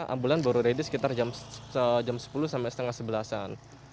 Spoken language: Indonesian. ambulan baru ready sekitar jam sepuluh sampai setengah sebelasan